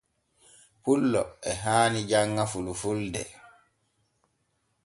Pullo e haani janŋa fulfulde.